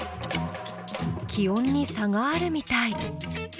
気温に差があるみたい。